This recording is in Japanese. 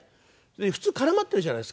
普通絡まってるじゃないですか。